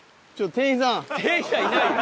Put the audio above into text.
店員さんいないよ。